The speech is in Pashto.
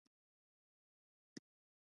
ایا زه باید شیشه وکاروم؟